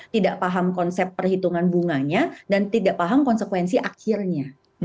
tidak paham konsep perhitungan bunganya dan tidak paham konsekuensi akhirnya